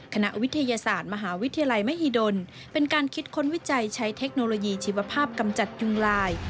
คณะวิทยาศาสตร์มหาวิทยาลัยมหิดลเป็นการคิดค้นวิจัยใช้เทคโนโลยีชีวภาพกำจัดยุงลาย